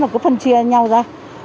cứ phân chia nhau ra